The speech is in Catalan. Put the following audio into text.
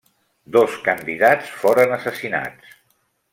Dos candidats foren assassinats.